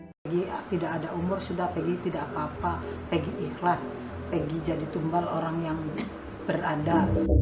pagi tidak ada umur sudah pegi tidak apa apa pegi ikhlas pergi jadi tumbal orang yang berada